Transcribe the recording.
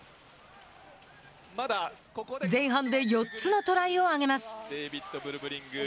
前半で４つのトライをあげます。